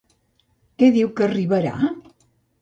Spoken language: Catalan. Què diu que arribarà?